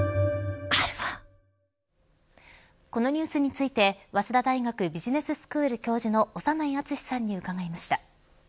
このニュースについて早稲田大学ビジネススクール教授の長内厚さんに伺いました。